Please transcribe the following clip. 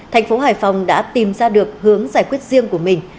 thành phố hải phòng đã tìm ra được hướng giải quyết riêng của mình